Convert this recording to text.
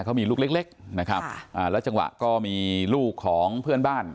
เขามีลูกเล็กเล็กนะครับอ่าแล้วจังหวะก็มีลูกของเพื่อนบ้าน